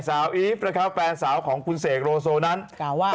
อีฟนะครับแฟนสาวของคุณเสกโลโซนั้นกล่าวว่า